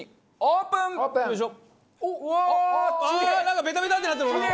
なんかベタベタってなってる俺の。